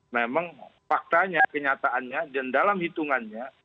memang faktanya kenyataannya dan dalam hitungannya